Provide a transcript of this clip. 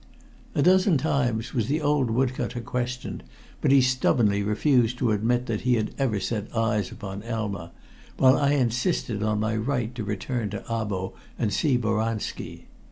A dozen times was the old wood cutter questioned, but he stubbornly refused to admit that he had ever set eyes upon Elma, while I insisted on my right to return to Abo and see Boranski.